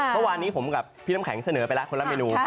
เมื่อวานนี้ผมกับพี่น้ำแข็งเสนอไปแล้วคนละเมนู